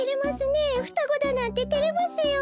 ふたごだなんててれますよ。